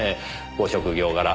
ご職業柄